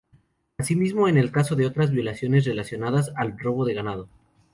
Asimismo en el caso de otras violaciones relacionadas al robo de ganado.